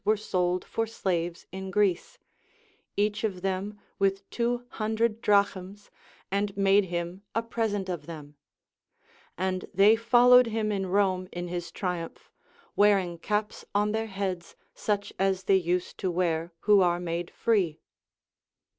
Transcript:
231 were sold for slaves in Greece, each of them with two hundred drachms, and made him a present of them ; and they followed him in Rome in his triumph, wearin•^ caps on their heads such as they use to wear who are made free.